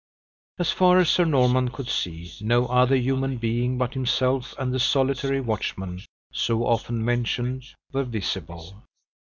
As far as Sir Norman could see, no other human being but himself and the solitary watchman, so often mentioned, were visible.